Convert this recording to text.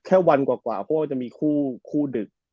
แค่วันกว่ากว่าว่าก็จะมีคู่ดึก